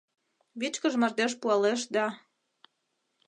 Вичкыж мардеж пуалеш да